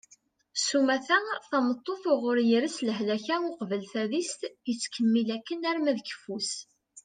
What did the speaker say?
sumata tameṭṭut uɣur yers lehlak-a uqbel tadist yettkemmil akken arma d keffu-s